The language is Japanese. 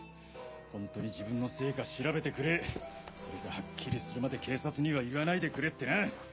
ホントに自分のせいか調べてくれそれがはっきりするまで警察には言わないでくれってな。